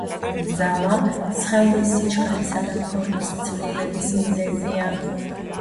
ძალა სხეულის სიჩქარისა და ფორმის ცვლილების მიზეზია